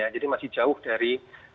jadi masih jauh dari